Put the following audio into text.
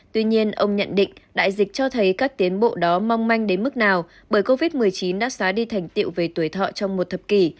tuy nhiên ông nhận định đại dịch cho thấy các tiến bộ đó mong manh đến mức nào bởi covid một mươi chín đã xóa đi thành tiệu về tuổi thọ trong một thập kỷ